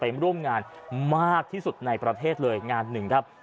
ร่วมงานมากที่สุดในประเทศเลยงานหนึ่งครับ